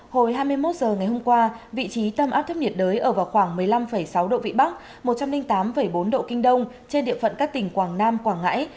hồi hai mươi một h ngày hôm qua vị trí tâm áp thấp nhiệt đới ở vào khoảng một mươi năm sáu độ vĩ bắc một trăm linh tám bốn độ kinh đông trên địa phận các tỉnh quảng nam quảng ngãi